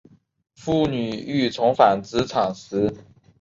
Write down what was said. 妇女欲重返职场时